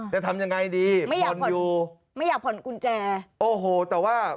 จะทำยังไงดีไม่ผ่อนอยู่ไม่อยากผ่อนกุญแจโอ้โหแต่ว่า